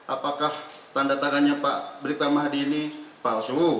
apakah tanda tangannya pak bribka mahdi ini palsu